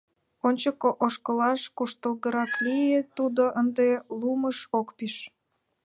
Ончыко ошкылаш куштылгырак лие, тудо ынде лумыш ок пиж.